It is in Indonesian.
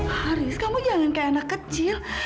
haris kamu jangan kayak anak kecil